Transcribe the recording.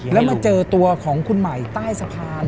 แล้วมาเจอตัวของคุณใหม่ใต้สะพาน